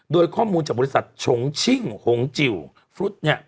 โดยข้อมูลจากบริษัทชงชิ่งหงจิ๋วฟรุตเนี่ย